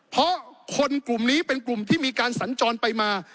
เพราะคนกลุ่มนี้เป็นกลุ่มที่มีการสัญจรไปมา